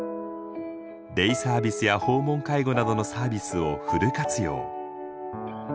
デイサービスや訪問介護などのサービスをフル活用。